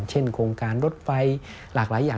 เช่นโครงการรถไฟหลากหลายอย่าง